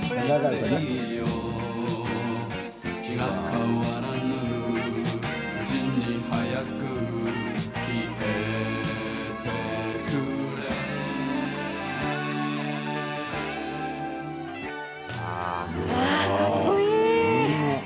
うわあ、かっこいい！